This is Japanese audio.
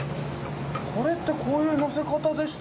コレってこういうのせ方でしたっけ？